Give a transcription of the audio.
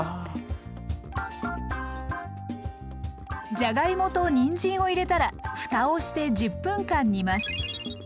じゃがいもとにんじんを入れたらふたをして１０分間煮ます。